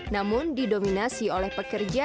namun didominasi oleh pekerja